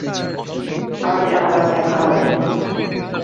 আমাদের আবার দেখা হবে।